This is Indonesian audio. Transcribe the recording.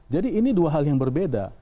ini dua hal yang berbeda